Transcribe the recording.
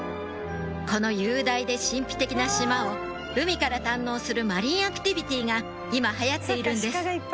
この雄大で神秘的な島を海から堪能するマリンアクティビティーが今流行っているんです